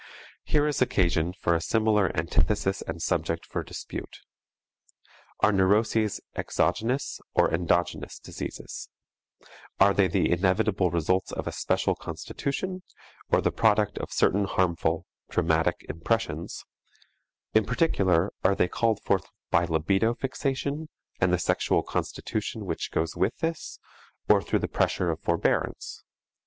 Here is occasion for a similar antithesis and subject for dispute: are neuroses exogenous or endogenous diseases, are they the inevitable results of a special constitution or the product of certain harmful (traumatic) impressions; in particular, are they called forth by libido fixation (and the sexual constitution which goes with this) or through the pressure of forbearance?